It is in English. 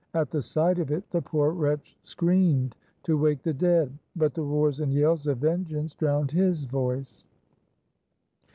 At the sight of it, the poor wretch screamed to wake the dead, but the roars and yells of vengeance drowned his voice.